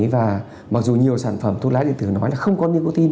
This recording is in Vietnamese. và mặc dù nhiều sản phẩm thuốc lá điện tử nói là không có nicotin